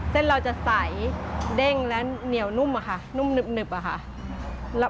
เส้นเราจะใสเด้งและเหนียวนุ่มอะค่ะนุ่มหนึบอะค่ะ